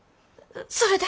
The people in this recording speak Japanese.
それで？